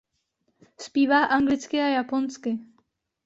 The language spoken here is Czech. Zpívá anglicky a japonsky.